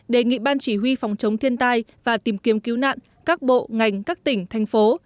đề nghị ban chỉ huy phòng chống thiên tai và tìm kiếm cứu nạn các bộ ngành các tỉnh thành phố